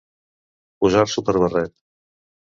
Posar-s'ho per barret.